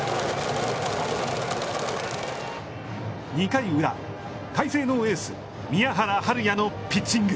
２回裏海星のエース宮原明弥のピッチング。